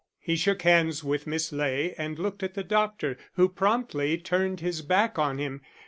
He shook hands with Miss Ley and looked at the doctor, who promptly turned his back on him.